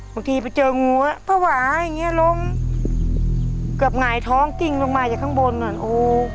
บางทีไปเจองูอะพระหว่าอย่างเงี้ยลงเกือบหงายท้องกิ้งลงมาจากข้างบนเหมือนโอ